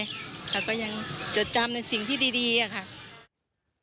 เราก็ยังจดจำในสิ่งที่ดีอะค่ะ